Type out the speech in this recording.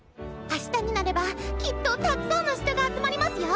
明日になればきっとたくさんの人が集まりますよ！